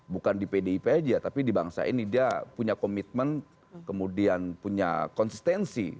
bukan di pdip aja tapi di bangsa ini dia punya komitmen kemudian punya konsistensi